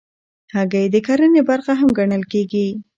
هګۍ د کرنې برخه هم ګڼل کېږي.